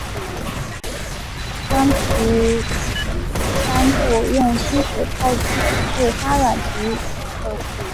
将干皮肚用清水泡发至变软即可。